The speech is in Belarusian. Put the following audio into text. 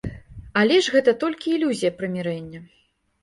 Але ж гэта толькі ілюзія прымірэння.